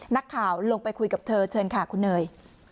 นักข่าวลงไปคุยกับเธอเชิญค่ะคุณเนย